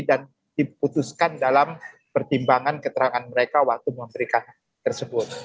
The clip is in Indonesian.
dan diputuskan dalam pertimbangan keterangan mereka waktu memberikan tersebut